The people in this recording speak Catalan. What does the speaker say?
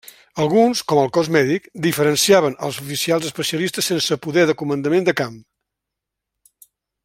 Alguns, com al Cos Mèdic, diferenciaven els oficials especialistes sense poder de comandament de camp.